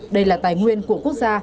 đây là tài nguyên của quốc gia